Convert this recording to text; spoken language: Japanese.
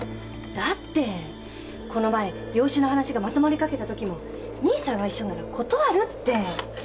だってこの前養子の話がまとまりかけた時も兄さんが一緒なら断るって。